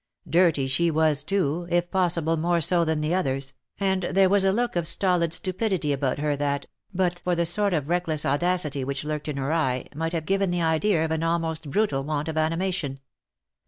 Dirty she was too, if possible more so than the others, and there was a look of stolid stupidity about her that, but for the sort of reckless au dacity which lurked in her eye, might have given the idea of an almost brutal want of animation.